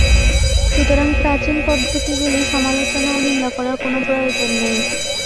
সুতরাং প্রাচীন পদ্ধতিগুলি সমালোচনা ও নিন্দা করার কোন প্রয়োজন নেই।